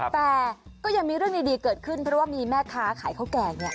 แต่ก็ยังมีเรื่องดีเกิดขึ้นเพราะว่ามีแม่ค้าขายข้าวแกงเนี่ย